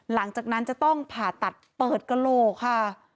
หลังจากนั้นจะต้องผ่าตัดเปิดกระโหลกค่ะ